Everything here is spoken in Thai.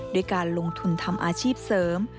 ด้วยการลงทุนทำอาชีพเสริม